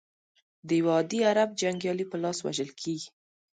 د یوه عادي عرب جنګیالي په لاس وژل کیږي.